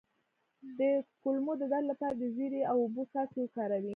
د کولمو د درد لپاره د زیرې او اوبو څاڅکي وکاروئ